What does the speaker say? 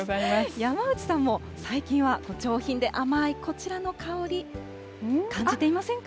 山内さんも最近は上品で甘いこちらの香り、感じていませんか。